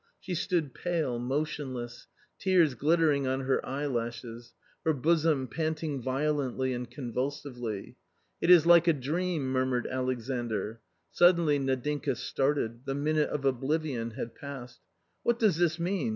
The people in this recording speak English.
She stood pale, motionless, tears glittering on her eye lashes, her bosom panting violently and convulsively. " It is like a dream !" murmured Alexandr. Suddenly Nadinka started, the minute of oblivion had passed. " What does this mean